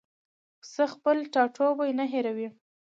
پسه خپل ټاټوبی نه هېروي.